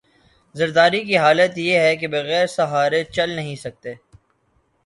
زرداری کی حالت یہ ہے کہ بغیر سہارے چل نہیں سکتے۔